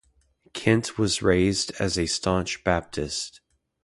Kent was raised as a staunch Baptist.